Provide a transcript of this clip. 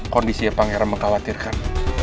kondisinya pangeran mengkhawatirkan